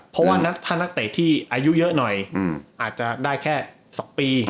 เพราะว่าถ้านักเตะที่อายุเยอะหน่อยอาจจะได้แค่๒ปี